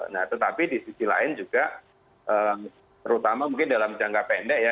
nah tetapi di sisi lain juga terutama mungkin dalam jangka pendek ya